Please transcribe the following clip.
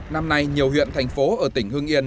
năm nay nhiều huyện thành phố ở tỉnh hưng yên